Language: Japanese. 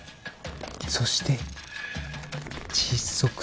そして窒息する。